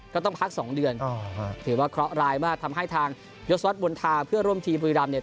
ก็ต้องพักสองเดือนถือว่าเคราะห์ร้ายมากทำให้ทางยศวรรษบนทาเพื่อร่วมทีมบุรีรำเนี่ย